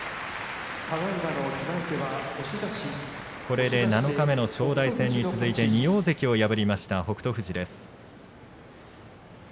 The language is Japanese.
これで七日目の正代戦に続いて２大関を破りました北勝富士です。